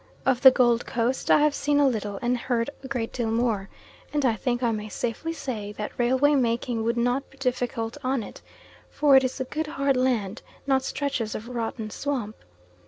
Of the Gold Coast I have seen a little, and heard a great deal more, and I think I may safely say that railway making would not be difficult on it, for it is good hard land, not stretches of rotten swamp.